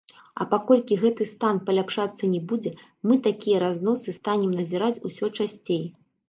А паколькі гэты стан паляпшацца не будзе, мы такія разносы станем назіраць усё часцей.